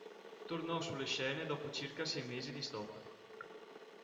Tornò sulle scene dopo circa sei mesi di stop.